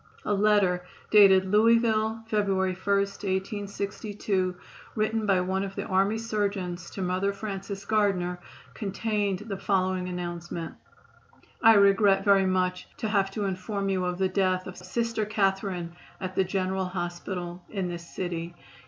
A letter dated Louisville, February 1, 1862, written by one of the army surgeons to Mother Francis Gardner, contained the following announcement: "I regret very much to have to inform you of the death of Sister Catherine at the General Hospital in this city.